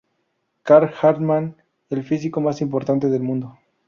Carl Hartmann: el físico más importante de mundo.